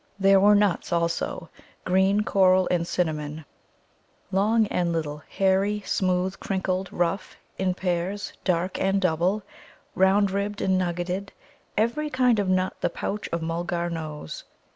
There were nuts also green, coral, and cinnamon, long and little, hairy, smooth, crinkled, rough, in pairs, dark and double, round ribbed and nuggeted every kind of nut the pouch of Mulgar knows.